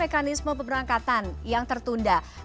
mekanisme pengelolaan dana haji yang sudah disetor